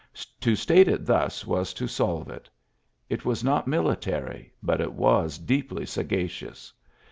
To state it thus was to solve it. It was not military, but it was deeply sagacious.